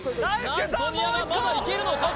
何と宮川まだいけるのか？